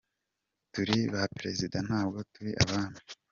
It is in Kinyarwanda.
Turi ba perezida, ntabwo turi abami.”